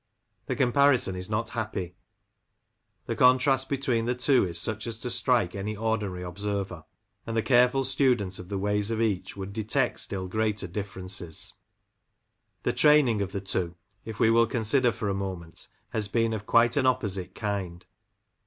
The comparison is not happy. The con ^ trast between the two is such as to strike any ordinary observer ; and the careful student of the ways of each would detect still greater differences. The training of the two, if we will consider for a moment, has been of quite an opposite kind.